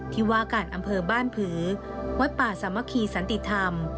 ที่ว่าการอำเภอบ้านผือวัดป่าสามัคคีสันติธรรม